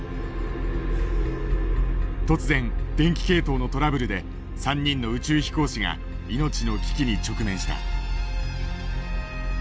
突然電気系統のトラブルで３人の宇宙飛行士が命の危機に直面した。